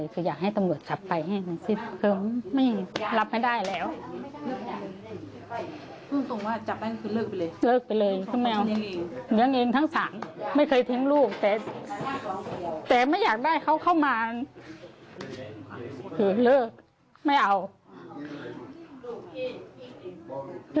คือลูกสาว